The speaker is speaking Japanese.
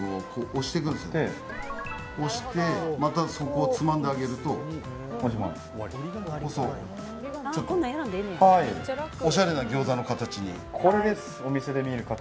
押して、そこをまたそこをつまんであげるとおしゃれなギョーザの形に。